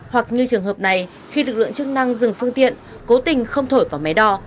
hoặc như trường hợp này khi lực lượng chức năng dừng phương tiện cố tình không thổi vào máy đo